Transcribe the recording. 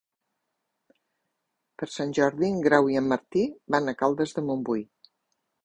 Per Sant Jordi en Grau i en Martí van a Caldes de Montbui.